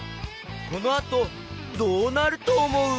このあとどうなるとおもう？